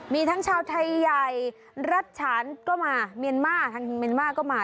มีทั้งชาวไทยใหญ่รัฐฉานก็มาเมียนมาร์ทางเมียนมาร์ก็มา